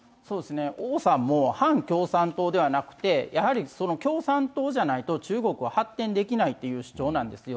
王さんも反共産党ではなくて、やはりその共産党じゃないと中国は発展できないという主張なんですよ。